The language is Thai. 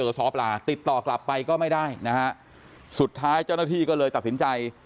ซ้อปลาติดต่อกลับไปก็ไม่ได้นะฮะสุดท้ายเจ้าหน้าที่ก็เลยตัดสินใจ